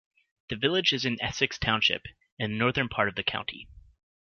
The village is in Essex Township in the northern part of the county.